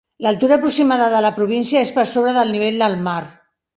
L'altura aproximada de la província és per sobre del nivell del mar.